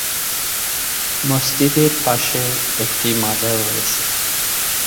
মসজিদের পাশে একটি মাজার রয়েছে।